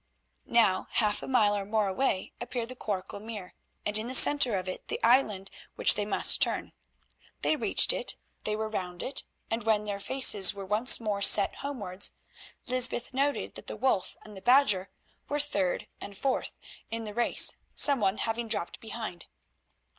Now, half a mile or more away appeared the Quarkel Mere, and in the centre of it the island which they must turn. They reached it, they were round it, and when their faces were once more set homewards, Lysbeth noted that the Wolf and the Badger were third and fourth in the race, some one having dropped behind.